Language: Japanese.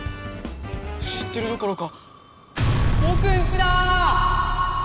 知ってるどころかぼくんちだぁ！